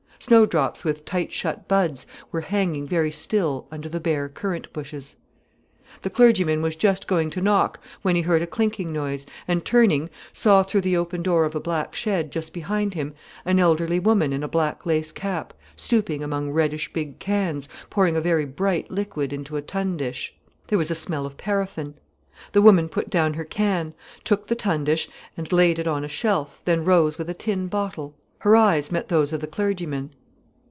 Snowdrops with tight shut buds were hanging very still under the bare currant bushes. The clergyman was just going to knock when he heard a clinking noise, and turning saw through the open door of a black shed just behind him an elderly woman in a black lace cap stooping among reddish big cans, pouring a very bright liquid into a tundish. There was a smell of paraffin. The woman put down her can, took the tundish and laid it on a shelf, then rose with a tin bottle. Her eyes met those of the clergyman.